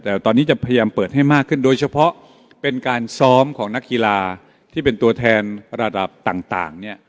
แต่ตอนนี้จะพยายามเปิดให้มากขึ้นโดยเฉพาะเป็นการซ้อมของนักกีฬาที่เป็นตัวแทนระดับต่างเนี่ย